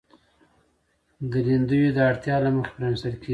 دا لیندیو د اړتیا له مخې پرانیستل کېږي.